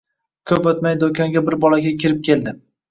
Koʻp oʻtmay doʻkonga bir bolakay kirib keldi